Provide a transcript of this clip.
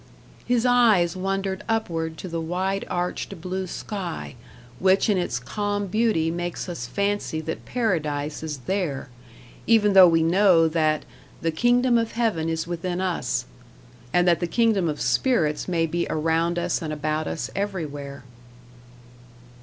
His eyes wandered upward to the wide arched blue sky, which in its calm beauty makes us fancy that Paradise is there, even though we know that "THE KINGDOM OF HEAVEN IS WITHIN US," and that the kingdom of spirits may be around us and about us everywhere.